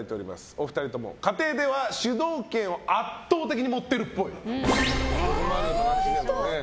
お二人とも、家庭では主導権を圧倒的に持っているっぽい。